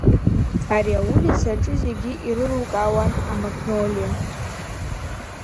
Ари аулица аҿы зегьы ирылукаауан амагнолиа.